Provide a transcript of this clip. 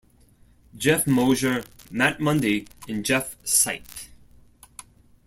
Jeff Mosier, Matt Mundy and Jeff Sipe.